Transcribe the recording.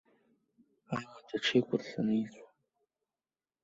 Амаҭ аҽеикәыршаны ицәоуп.